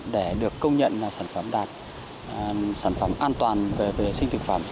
để được công nhận sản phẩm đạt sản phẩm an toàn về vệ sinh thực phẩm